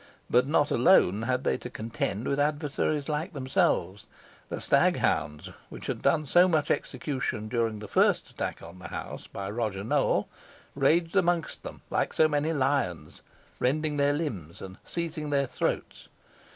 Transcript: But not alone had they to contend with adversaries like themselves. The stag hounds, which had done so much execution during the first attack upon the house by Roger Nowell, raged amongst them like so many lions, rending their limbs, and seizing their throats.